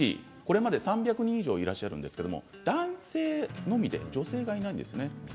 これまで３００人以上いらっしゃるんですけど男性のみで女性いないんですね。